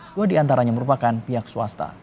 dua diantaranya merupakan pihak swasta